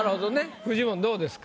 フジモンどうですか？